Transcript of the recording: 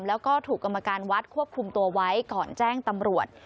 แล้วก็ถูกกรรมการวัดควบคุมตัวไว้ก่อนแจ้งตำรวจ